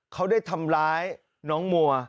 เขาได้ทำร้ายน้องมัว